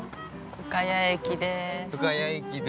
◆深谷駅です。